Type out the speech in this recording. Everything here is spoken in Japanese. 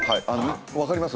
分かります？